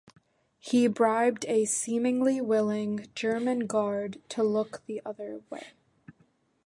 He bribed a seemingly willing German guard to look the other way.